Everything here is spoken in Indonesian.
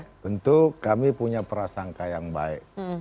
ya tentu kami punya prasangka yang baik